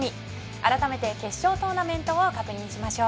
改めて決勝トーナメントを確認しましょう。